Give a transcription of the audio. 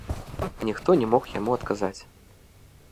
Ніхто не мог яму адказаць.